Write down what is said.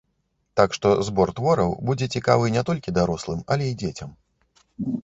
Так што збор твораў будзе цікавы не толькі дарослым, але і дзецям.